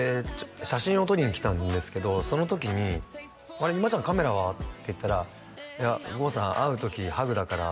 写真を撮りに来たんですけどその時に「あれ今ちゃんカメラは？」って言ったら「いや剛さん会う時ハグだから」